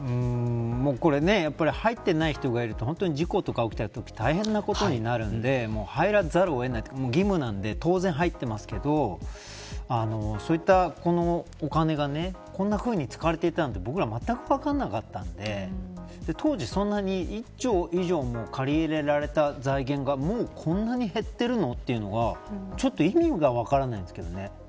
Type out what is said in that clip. これ、入ってない人がいると事故とか起きたとき大変なことになるんで入らざるを得ないというか義務なんで当然、入ってますけどそういったお金がこんなふうに使われていたなんて僕らまったく分からなかったんで当時そんなに１兆以上も借りられた財源がもうこんなに減ってるのというのがちょっと意味が分からないんですけどね。